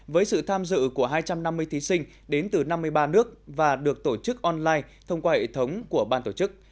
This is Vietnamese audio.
với sự tham dự của hai trăm năm mươi thí sinh đến từ năm mươi ba nước và được tổ chức online thông qua hệ thống của ban tổ chức